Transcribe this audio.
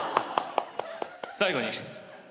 最後に。